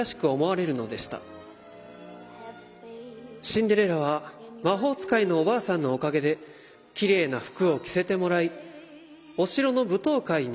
「シンデレラは魔法使いのおばあさんのおかげできれいな服を着せてもらいお城の舞踏会に行くことに。